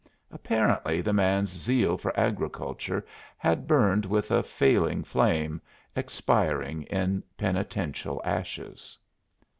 Apparently the man's zeal for agriculture had burned with a failing flame, expiring in penitential ashes.